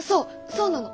そうなの。